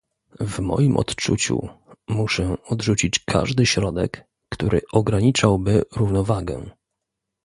W moim odczuciu muszę odrzucić każdy środek, który ograniczałby równowagę